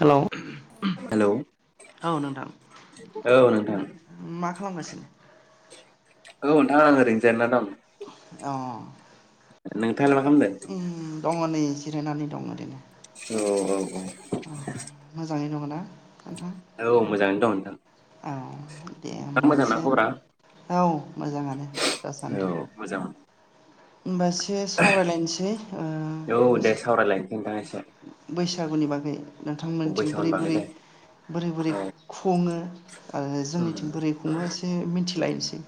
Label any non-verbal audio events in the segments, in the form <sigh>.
Hello औ hello नोंथां औ नोंथां मा खालामगासिनो औ नोंथां आं ओरैनो जिरायना दं अ नो उम दङ नै जिरायनानै दङ इदिनो औ औ औ औ मोजाङै दङना नोंथां औ मोजाङैनो दं नोंथां औ दे नोंथां होमब्ला मोजांना एसे खबरा औ मोजाङानो दासान्दि औ मोजां ओमबा एसे सावरायलायनोसै ओ औ बै दे सावरायलायनोसै नोंथां एसे बै बैसागुनि बागै नोंथांमोननिथिं बैसागुनि बोरै बागै बोरै दे बोरै बोरै औ खुङो ओ जोंनिथिं बोरै खुङो एसे मिनथि लायनोसै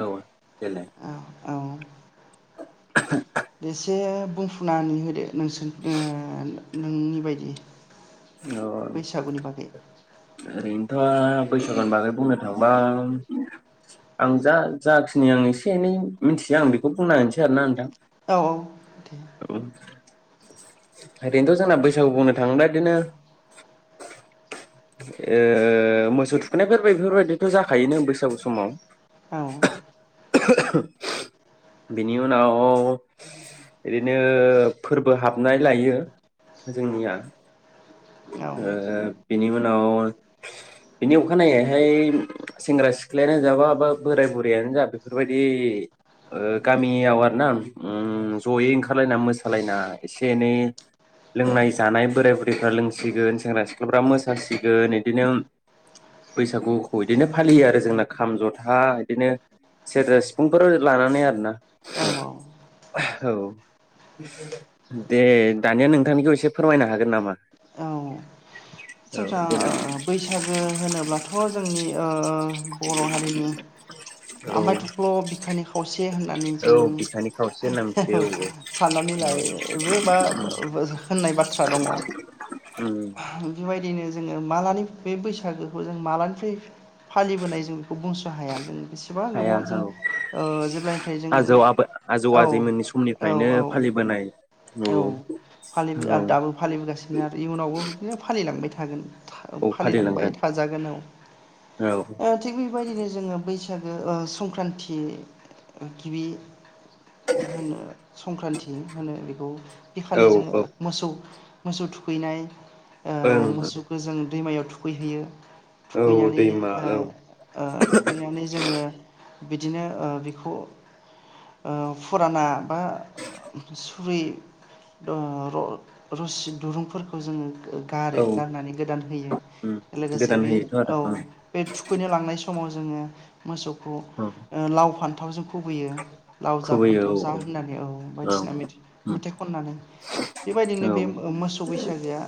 औ देलाय बेसे बुंफुनानै होदो नोंसोर ओ नोंनि बायदि अ बैसागुनि बागै ओरैनोथ' बैसागोनि बागै बुंनो थांबा आं जा जाखिनि आं एसे एनै मिथियो आं बेखौ बुंना होनोसै आरोना नोंथां औ औ दे औ ओरैनोथ' जोंना बैसागु बुंनो थाङोब्ला इदिनो ओ मोसौ थुखैनायफोर बेफोरबायदिथ' जाखायोनो बैसागु समाव औ <unintelligible> बिनि उनाव ओरैनो फोरबो हाबनाय लायो जोंनिया ओ औ बिनि उनाव बिनि अखानायैहाय सेंग्रा सिख्लायानो जा बा बा बोराइ बुरैयानो जा बेफोरबायदि ओ गामियाव आरो ना उम जयै ओंखारलायना मोसालायना एसे एनै लोंनाय जानाय बोराइ बुरैफ्रा लों सिगोन सेंग्रा सिख्लाफ्रा मोसासिगोन इदिनो बैसागुखौ इदिनो फालियो आरो जोंना खाम जथा इदिनो सेरजा सिफुंफोर लानानै आरोना औ <unintelligible> औ दे दानिया नोंथांनिखौ एसे फोरमायनो हागोन नामा <unintelligible> औ ओ देनाय बैसागो होनोब्लाथ' थ' जोंनि ओ बर' हारिनि औ आमाय थख्ल' बिखानि खावसे होननानै औ जों बिखानि खावसे होनना <unintelligible> औ मिथियो साननानै औ लायोबो बा होननाय बाथ्रा दङ। उम बेबायदिनो जोङो मालानि बे बैसागोखौ जों मालानिफ्राय फालिबोनाय जों बेखौ बुंस' हाया जोंङो बेसेबां हाया गोबाव जों औ ओ जेब्लानिफ्राय जों आजौ आबै आजौ औ आजैमोननि औ समनिफ्रायनो औ फालिबोनाय औ फालि औ आरो दाबो फालिबोगासिनो आरो इयुनावबो बिदिनो लांबाय थागोन औ फा-फालिलांबाय फालिलांगोन थाजागोन औ थिग बेबायदिनो जोङो बैसो बैसागो ओ संक्रान्ति गिबि होनो संक्रान्ति होनो बेखौ औ बेखालि जोङो औ मोसौ मोसौ थुखैनाय ओ ओं मोसौखौ जों दैमायाव थुखैहैयो औ थुखैनानै दैमा ओ औ ओ थुखैनानै जोङो बिदिनो ओ बेखौ ओ फुराना बा सुरै ओ रसि दुरुंफोरखौ जोङो गारो औ गारनानै गोदान होयो उम लोगोसे गोदान बे होयोथ' आरो औ ओं बे थुखैनो लांनाय समाव जों जोङो मोसौखौ औ लाव फान्थावजों खुबैयो लाव जा खुबैयो फान्थाव जा औ होननानै औ बायदिसिना उम मेथाइ खननानै औ बेबायदिनो बे मोसौ बैसागोआ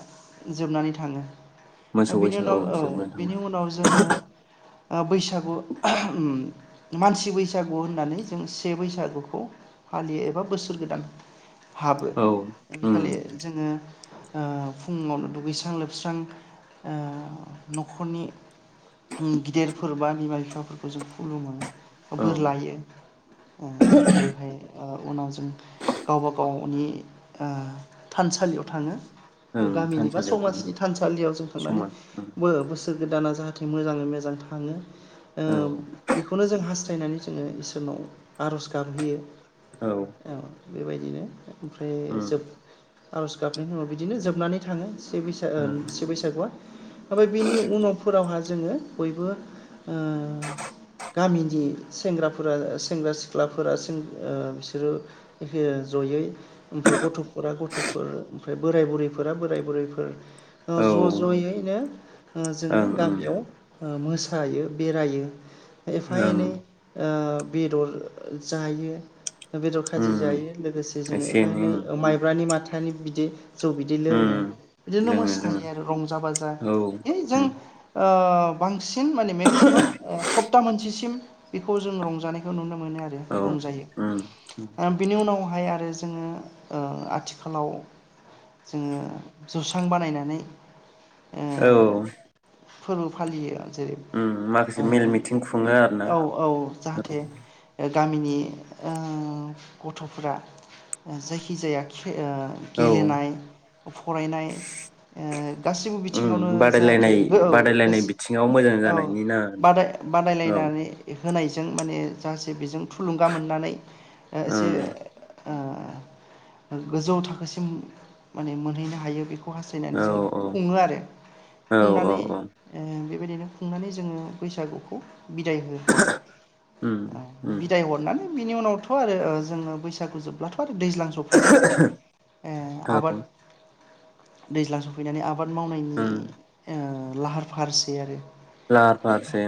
जोबनानै थाङो मोसौ बिनि बैसो उनाव औ जोबना थाङो बिनि उनाव जोङो बैसागु मानसि बैसागु होननानै जों से बैसागुखौ फालियो एबा बोसोर गोदान हाबो औ बे उम खालि जोङो औ फुङावनो दुगैस्रां लोबस्रां ओ न'खरनि ओम गिदिरफोर बा बिमा बिफाफोरखौ जों खुलुमो औ बोर लायो ओ ओमफ्रायहाय उनाव जों गावबा गावनि ओ थानसालियाव थाङो ओं गामिनि बा थानसालियाव थाङो समाजनि थानसालियाव जों थांनानै समान उम बो बोसोर गोदानाव जोङो मोजाङै मोजां थाङो ओ औ बेखौनो जों जों हास्थायनानै जोङो इसोरनाव आरज गाबहैयो औ बेबायदिनो ओमफ्राय उम जोब आर'ज गाबनायनि उनाव बिदिनो जोब नानै थाङो से बै ओ से बैसागुआ ओमफ्राय बेनि उनावफोरावहा जोङो बयबो ओ गामिनि सेंग्राफोरा सेंग्रा सिख्लाफोरा ओ बिसोरो जयै ओमफ्राय गथ'फोरा गथ'फोर ओमफ्राय बोराय-बुरै फोरा बोराय बुरैफोर ओ ज' ज'यैनो जोङो ओं ओं गामियाव मोसायो बेरायो एफा एनै ओं बेदर जायो बेदर खाजि उम जायो लोगोसे जोङो एसे एफा एनै ओं माइब्रानि माथा माइब्रा नि बिदि जौ बिदि उम लोङो बिदिनो लोङो लोङो मोसायो आरो रंजा बाजा औ ओइ जों उम ओ बांसिन माने मेक्सिमाम सप्ता मोनसेसिम बेखौ जों रंजानायखौ नुनो मोनो आरो औ रंजायो उम ओम बिनि उनावहाय आरो जोङो ओ आथिखालाव जोङो जुसां बानायनानै ओ औ फोरबो फालियो जेरै उम माखासे मेल मिथिं खुङो आरोना औ औ औ जाहाथे गामिनि ओ गथ'फोरा जायखि जाया ओ औ गेलेनाय फरायनाय ओ गासैबो उम बिथिङावनो जाहाथे बादायलायनाय गो औ फेस बादायलायनाय बिथिङाव मोजां औ जानायनि ना नोंथां बादाय बादायलायनानै होनायजों माने जाहाथे बेजों थुलुंगा मोननानै ओ औ एसे ओं ओ गोजौ थाखोसिम माने मोनहैनो हायो बेखौ हास्थायनानै औ जोङो खुङो आरो औ औ खुंनानै औ ओं बे बेबायदिनो खुंनानै जोङो बैसागुखौ बिदाय हो हरो उम उम बिदाय हरनानै बिनि उनावथ' आरो जोङो बैसागु जोबब्लाथ' दैज्लां सफैबाय ओ औ आबाद दैज्लां सौफैनानै आबाद आबाद उम मावनायनि लाहार फाहारसै आरो लाहार फाहार सो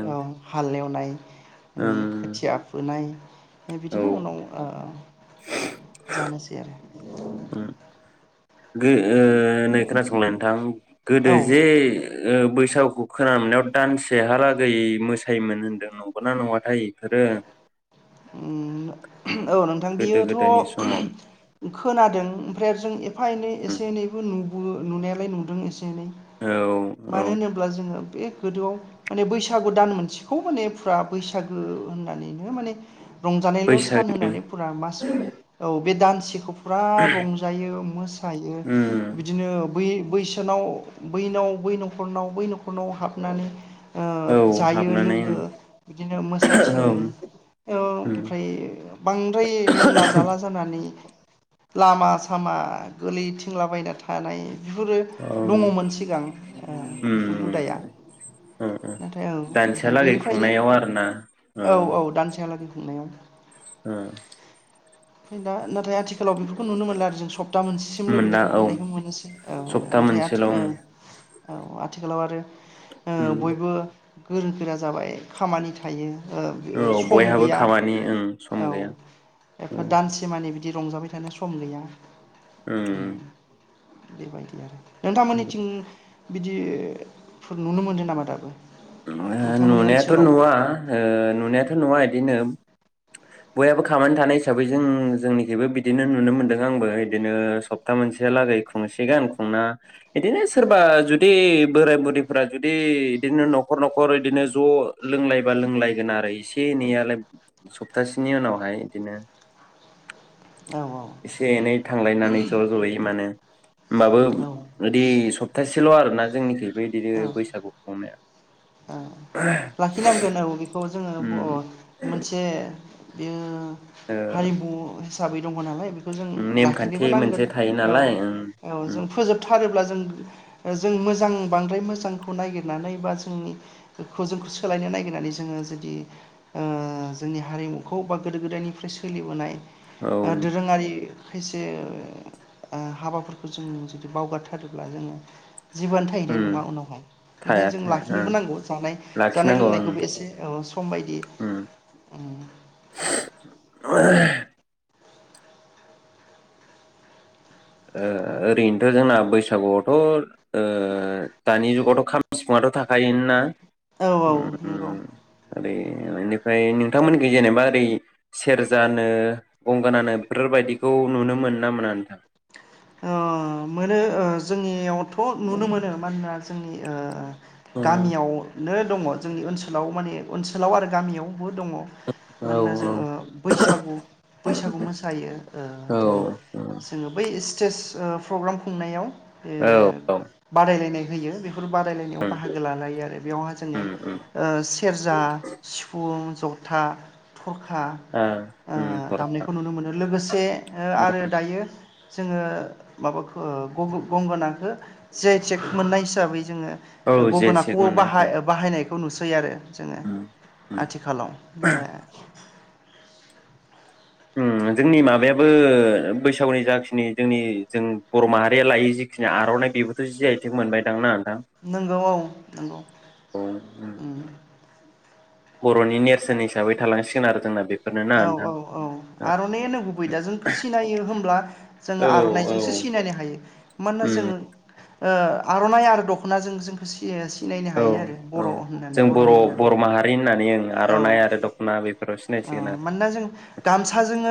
नाय माने खोथिया फुनाय औ बिदिनो उनाव जानोसै आरो उम ओ नै खोनासंलाय नोंथां गोदो औ जे बैसाग खोनानो मोननायाव दानसेहालागै मोसायोमोन होनदों नंगौनाा नङाथाय इफोरो उम औ नोंथां गोदो बियोथ' गोदायनि समाव खोनादों ओमफ्राय आरो जों एफा एनै उम एसे एनैबो नु नुनायालाय नुदों एसे एनै औ औ मानो होनोब्ला जोङो बे गोदोआव माने बैसागु दान मोनसेखौ माने फुरा बैसागो होननानैनो माने रंजानायल' सान बैसागनि होननानै फुरा मास औ बे दान खौ फुरा रंजायो मोसायो उम बिदिनो बै बैसोनाव बैनाव बै न'खरनाव बै न'खरनाव हाबनानै ओ औ जायो हाबनानै उम लोङो बिदिनो मोसाथिङो औ उम औ ओमफ्राय बांद्राय लोंला जाला जानानै लामा सामा गोलैथिंलाबायना थानाय बेफोरो औ दङमोन सिगां बेफोर उम हुदाया ओ ओ नाथाय औ ओमफ्राय दानसेहालागै बेनिफ्रायनो खुंनायाव आरोना औ औ दानसे हालागै खुंनायाव <unintelligible> <unintelligible> नाथाय आथिखालाव बेफोरखौ नुनो मोनला आरो जों सप्ता मोनसेसिमल' मोनना बिदिखौ औ खुंनायखौ मोनोसै औ सप्ता नाथाय आथि मोनसेल' ओ उम ओ आथिखालाव आरो ओ उम बयबो गोरों गोरा जाबाय खामानि थायो औ <unintelligible> बयहाबो खामानि ओं औ सम गैया एफा ओं दानसे मानि बिदि रंजाबाय थानाय सम गैया उम बेबायदि आरो नोंथांमोननिथिं बिदिफोर नुनो मोनदों नामा दाबो नोंथांमोननि नुनायाथ' ओनसोलाव नुवा ओ नुनायाथ' नुवा बिदिनो बयहाबो खामानानै थानाय हिसाबै जों जोंनिखबो बिदिनो नुनो मोनदों आंबो बिदिनो सप्ता मोनसेहालागै खुंसे गान खुंना बिदिनो सोरबा जुदि बोराय बुरिफोरा जुदि बिदिनो नखर न'खर न'खर इदिनो ज' लोंलायबा लोंलायगोन आरो इसे एनैयालाय सप्तासेनि उनावहाय इदिनो औ औ एसे एनै थांलायनानै ज' ज'यै मानो होमबाबो औ इदि सप्तासेल' आरोना जोंनिखैबो बिदिनो औ बैसागु खुंनाया औ लाखिनांगोन औ बेखौ जोङो उम बर मोनसे बेयो ओ हारिमु साबै दं नालाय खौ जों लाखिनोबो नेमखान्थि नांगोन मोनसे थायो औ नालाय ओं औ उम जों फोजोबथारोब्ला जों जों मोजां बांद्राय मोजांखौ नागिरनानै बा जोंनि खौ जों सोलायनो नागिरनानै जोङो जुदि ओ जोंनि हारिमुखौ बा गोदो गोदायनिफ्राय सोलिबोनाय औ ओ दोरोङारि खायसे हाबाफोरखौ जों जुदि बावगारथारोब्ला जोङो जिबआनो थाहैनाय उम नङा उनावहाय थाया ओनिखायनो जों थाया ओं लाखिनोबो नांगौ जानाय जानाय लाखिनांगौ ओं लोंनायखौबो एसे सम बायदि उम ओ ओ ओरैनोथ' जोंना बैसागुआवथ' ओ दानि जुगावथ' खाम सिफुङाथ' थाखायोन ना औ औ नंगौ माने बेनिफ्राय नोंथांमोनख जेनेबा ओरै सेरजानो गंगोनानो बेफोरबायाददिखौ नुनो मोनो ना मोना नोंथां? मोनो जोंनियावथ' नुनो मोनो मानोना जोंनि ओ उम गामियाव नो दङ जोंनि ओनसोलाव माने ओनसोलाव आरो गामियाव बो दङ औ मानोना जोङो बैसागु बैसागु मोसायो ओ औ जेरै बे स्टेज ओ प्रग्राम खुंनायाव औ ए औ उम बादायलायनाय होयो बेखौ बेफोर बादायलायनायाव उम बाहागो लालायो आरो बेयावहा ओ जोङो उम उम सेरजा सिफुं जथा थरखा ओ उम थर दामनायखौ नुनो मोनो लोगोसे आरो दायो। जोङो माबाखौ गंगोनांखौ जियाय‌ टेक मोननाय हिसाबै जोङो औ जे सेक गंगोनाखौबो मोननाय बाहाय जाबाय बाहायनायखौ नुसै सै आरो जोङो उम उम आथिखालाव दा ओम जोंनि माबायाबो बैसागुनि जाखिनि जोंनि जों बर' माहारिया लायै जिखिनि आर'नाइ बेबोथ' जि आय थेक मोनबायदांना नोंगौ औ नंगौ औ उम बर'नि नेरसोन हिसाबै थालांसिगोन आरो जोंना बेखौ औ औ औ आर'ननाइनो गुबै दा जोंखौ सिनायो होमब्ला जोङो औ औ आर'नाइजोंसो सिनायनो हायो मानोना उम जोंङो ओ आर'ननाइ आरो दख'नाजों जोंखौ सि औ औ जों बर' बर'नि होननानै बर' माहारि होननानै ओ आर'ननाइ आरो दख'ना बेफोराव सिनाय ओ मानोना जों गामसाजोङो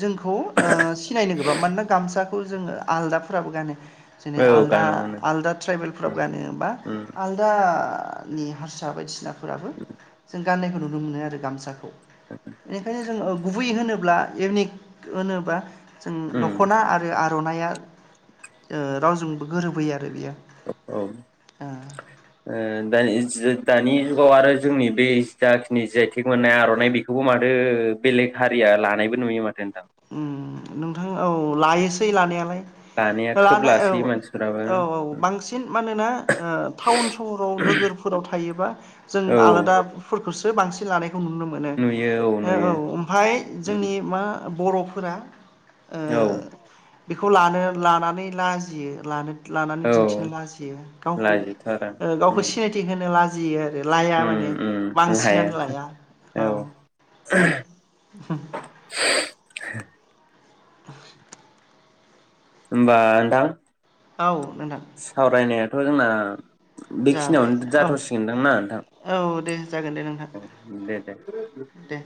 जोंखौ सिनायनो गोबाब मानोना गामसा खौ जोङो आलादाफोराबो गानो जेरै आरो औ आलदा गानो मोनो आलदा उम ट्राइबेलफ्राबो गानोबा उम आलदा नि हारसा बायदिसिना फोराबो जों गान्नायखौ नुनो मोनो आरो गामसाखौ <inaudible> बेनिखायनो जोङो गुबै होनोब्ला इउनिक होनोब्ला जों उम दख'ना आरो आर आर'ननाया रावजोंबो गोरोबै आरो बियो औ ओ ओ दा दानि दानि जुगाव आरो जोंनि बे जाखिनि जि आइ टेक मोननाय आर'ननाइ बेखौबो माथो बेलेग हारिया लानायबो नुयो माथो नोंथां उम नोंथां औ लायोसै लानायालाय लानाया खोब लानाय औ लासोयो मानसिफ्राबो औ औ बांसिन मानोना टाउन सहराव नोगोरफोराव थायोबा जों औ आलादा बेखौसो बांसिन लानाय बेखौ नुनो मोनो नुयो ओ औ नुयो ओमफ्राय जोंनि मा बर'फोरा ओ औ बेखौ लानो लानानै लाजियो लानो लानानै औ दिन्थिनो लाजियो गावखौ लाजिथारा ओ गावखौ उम सिनायथि होनो लाजि <unintelligible> लाया माने उम उम हाया बांसिनानो लाया औ <unintelligible> <inaudible> होमबा नोंथां औ नोंथां <unintelligible> जाबाय बेखिनियावनो औ जाथ सिगोनदांना नोंथां औ दे जागोन दे नोंथां दे दे दे